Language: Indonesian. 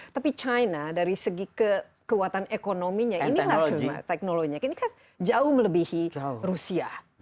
tapi china dari segi kekuatan ekonominya ini kan teknologi ini kan jauh melebihi rusia